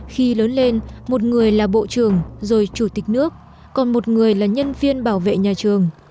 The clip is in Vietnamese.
khi lớn lên một người là bộ trưởng rồi chủ tịch nước còn một người là nhân viên bảo vệ nhà trường